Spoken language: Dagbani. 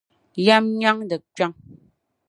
Yɛm nyandi kpiɔŋ.